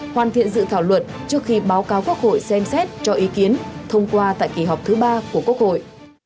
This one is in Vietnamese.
hoàn thiện dự thảo luật trước khi báo cáo quốc hội xem xét cho ý kiến thông qua tại kỳ họp thứ ba của quốc hội